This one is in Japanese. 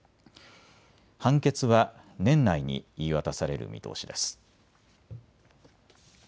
判決は年内に言い渡される見通しです。